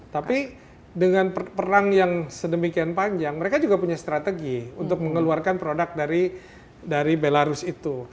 tapi dengan perang yang sedemikian panjang mereka juga punya strategi untuk mengeluarkan produk dari belarus itu